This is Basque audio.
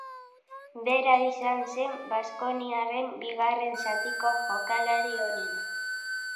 Bera izan zen baskoniarren bigarren zatiko jokalari onena.